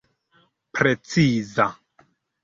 preciza